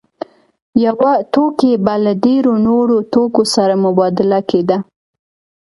یو توکی به له ډېرو نورو توکو سره مبادله کېده